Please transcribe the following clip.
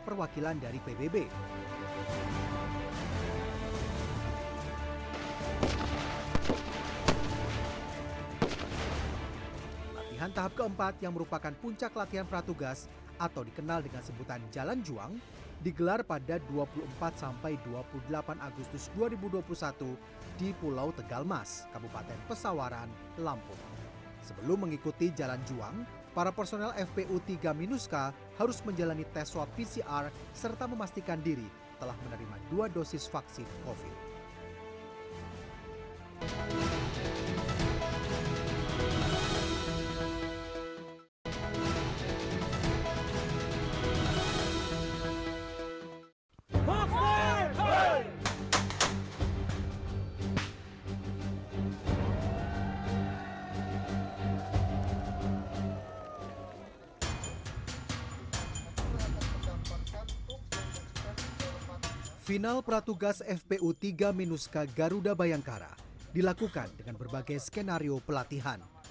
peratugas fpu tiga minuska garuda bayangkara dilakukan dengan berbagai skenario pelatihan